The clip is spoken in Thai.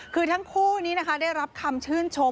คือทั้งคู่นี้นะคะได้รับคำชื่นชม